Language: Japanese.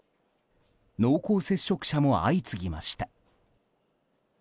濃厚接触者も相次ぎました。